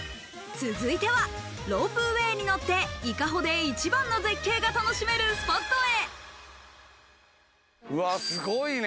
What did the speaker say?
続いては、ロープウェイに乗って伊香保で一番の絶景が楽しめるスポットへ。